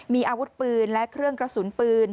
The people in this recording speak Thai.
มีอาวุธปืนและเครื่องกระสุนปืน